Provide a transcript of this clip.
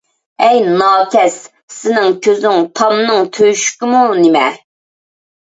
ھەي ناكەس، سېنىڭ كۆزۈڭ تامنىڭ تۆشۈكىمۇ نېمە!